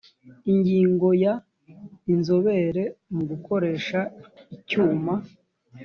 ingingo ya inzobere mu gukoresha icyuma